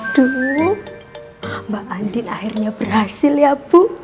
dulu mbak andin akhirnya berhasil ya bu